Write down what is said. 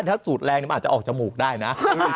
ถ้าสูดแรงมันอาจจะออกจมูกได้นะ